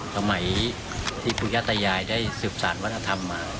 สมัยที่ภูยาตายายได้สืบศาลวัฒนธรรม